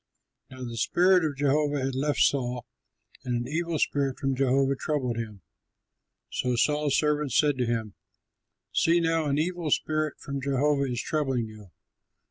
Taylor] Now the spirit of Jehovah had left Saul and an evil spirit from Jehovah troubled him. So Saul's servants said to him, "See now, an evil spirit from Jehovah is troubling you.